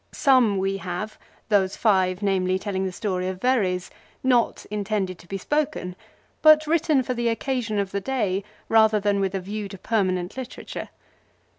Some we have, those five namely, telling the story of Verres, not intended to be spoken, but written for the occasion of the day rather than with a view to permanent literature.